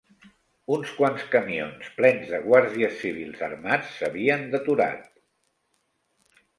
Uns quants camions plens de guàrdies civils armats s'havien deturat...